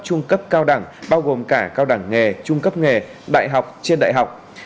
trung cấp cao đẳng bao gồm cả cao đẳng nghề trung cấp nghề đại học trên đại học